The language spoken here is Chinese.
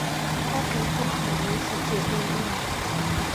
他曾经排名世界第一位。